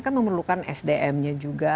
kan memerlukan sdm nya juga